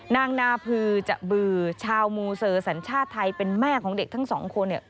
นางนาพือจะบือชาวมูเซอร์สัญชาติไทยเป็นแม่ของเด็กทั้งสองคนเนี่ย